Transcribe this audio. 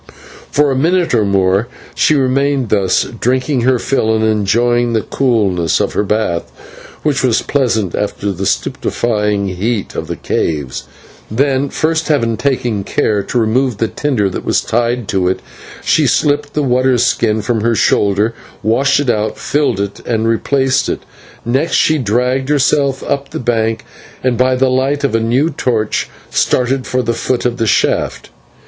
For a minute or more she remained thus, drinking her fill and enjoying the coolness of her bath, which was pleasing after the stupefying heat of the caves, then, first having taken care to remove the tinder that was tied to it, she slipped the water skin from her shoulder, washed it out, filled and replaced it. Next she dragged herself up the bank, and by the light of a new torch started for the foot of the shaft.